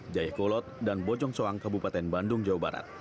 jaya kolot dan bojong soang kabupaten bandung jawa barat